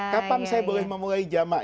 kapan saya boleh memulai jamaah